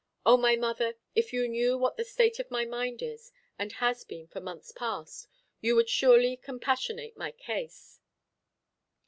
O my mother, if you knew what the state of my mind is, and has been for months past, you would surely compassionate my case.